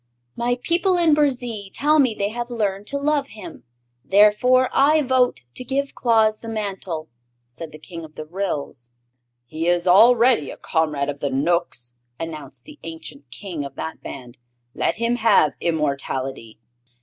"My people in Burzee tell me they have learned to love him; therefore I vote to give Claus the Mantle," said the King of the Ryls. "He is already a comrade of the Knooks," announced the ancient King of that band. "Let him have immortality!"